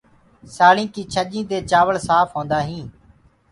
سآݪينٚ ڪي ڇڃي دي چآوݪ سآڦ هوندآ هينٚ۔